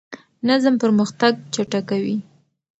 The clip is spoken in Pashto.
نظم پرمختګ چټکوي.